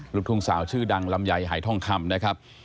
ลูกทุ่งสาวชื่อดังลำไยหายทองคำนะครับ